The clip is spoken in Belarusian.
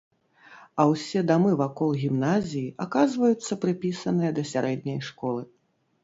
А ўсе дамы вакол гімназіі аказваюцца прыпісаныя да сярэдняй школы.